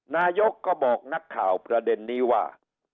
นายกก็บอกนักข่าวประเด็นนี้ว่า